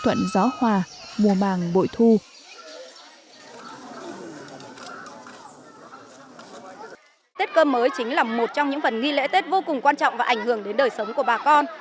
tết cơm mới chính là một trong những phần nghi lễ tết vô cùng quan trọng và ảnh hưởng đến đời sống của bà con